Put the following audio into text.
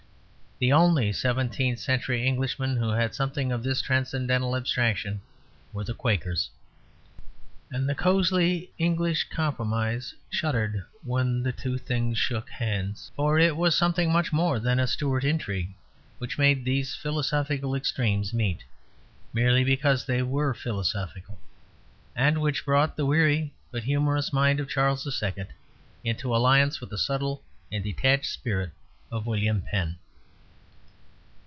The only seventeenth century Englishmen who had something of this transcendental abstraction were the Quakers; and the cosy English compromise shuddered when the two things shook hands. For it was something much more than a Stuart intrigue which made these philosophical extremes meet, merely because they were philosophical; and which brought the weary but humorous mind of Charles II. into alliance with the subtle and detached spirit of William Penn.